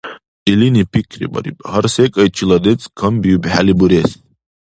Илини пикрибариб: гьар-секӀайчила децӀ камбиубхӀели бурес.